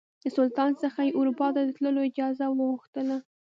د سلطان څخه یې اروپا ته د تللو اجازه وغوښتله.